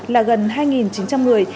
là gần hai chín trăm linh người